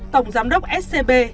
tổng giám đốc scb